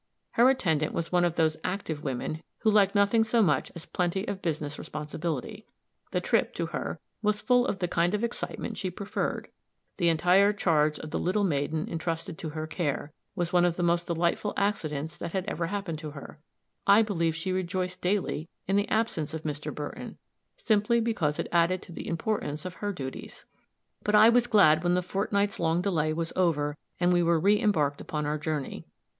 Her attendant was one of those active women who like nothing so much as plenty of business responsibility; the trip, to her, was full of the kind of excitement she preferred; the entire charge of the little maiden intrusted to her care, was one of the most delightful accidents that ever happened to her; I believe she rejoiced daily in the absence of Mr. Burton, simply because it added to the importance of her duties. But I was glad when the fortnight's long delay was over, and we were reëmbarked upon our journey.